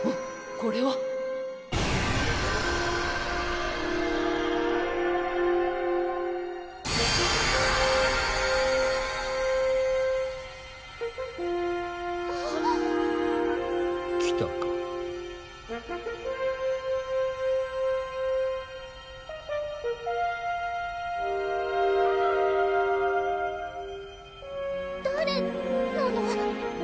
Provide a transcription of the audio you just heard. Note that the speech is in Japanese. これは・来たか誰なの？